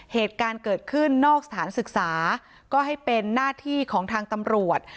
เหตุการณ์เกิดขึ้นนอกสถานศึกษาก็ให้เป็นหน้าที่ของทางตำรวจ